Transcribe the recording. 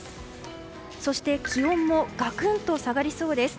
そして、気温もがくんと下がりそうです。